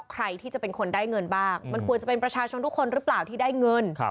ใครที่จะเป็นคนได้เงินบ้างมันควรจะเป็นประชาชนทุกคนหรือเปล่าที่ได้เงิน